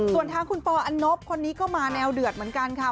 ส่วนทางคุณปออันนบคนนี้ก็มาแนวเดือดเหมือนกันค่ะ